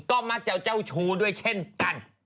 ก็มักจะเจ้าชู้ด้วยเช่นกัน